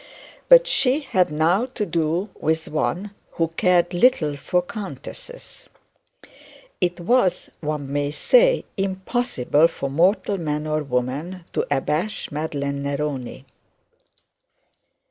But she had now to do with one who cared little for countesses. It was, one may say, impossible for mortal man or woman to abash Madeline Neroni.